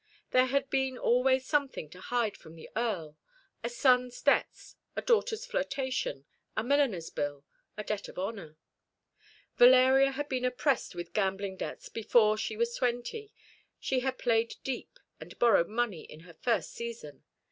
There had been always something to hide from the Earl a son's debts, a daughter's flirtation, a milliner's bill, a debt of honour. Valeria had been oppressed with gambling debts before she was twenty. She had played deep, and borrowed money in her first season.